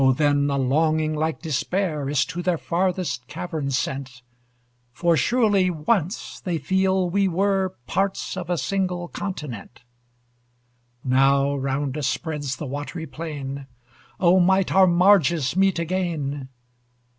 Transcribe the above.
then a longing like despair Is to their farthest caverns sent; For surely once, they feel, we were Parts of a single continent! Now round us spreads the watery plain Oh, might our marges meet again!